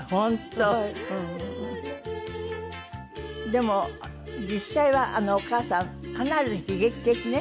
でも実際はあのお母さんかなり悲劇的ね